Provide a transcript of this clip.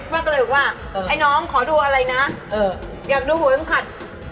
พี่น้องขอดูอะไรนะอยากดูหัวเข้มขัด